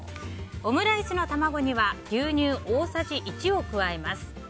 オムライスの卵には牛乳大さじ１を加えます。